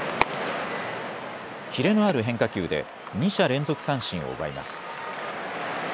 キレのある変化球で２者連続三振を奪います。